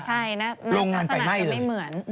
ใช่น่าทักสนักจะไม่เหมือน